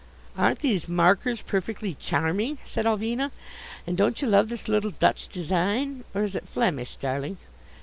"Aren't these markers perfectly charming?" said Ulvina. "And don't you love this little Dutch design or is it Flemish, darling?"